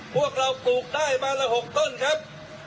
พวกเราปลูกได้มาละ๖ต้นครับ